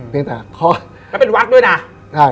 แล้วเป็นวัดด้วยนะ